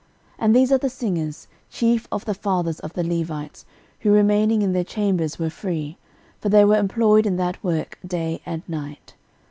13:009:033 And these are the singers, chief of the fathers of the Levites, who remaining in the chambers were free: for they were employed in that work day and night.